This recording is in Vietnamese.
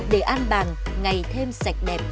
để an bàng ngày thêm sạch đẹp